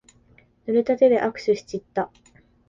ぬれた手で握手しちった。